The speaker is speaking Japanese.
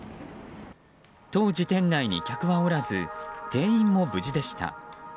当時、店内に客はおらず店員も無事でした。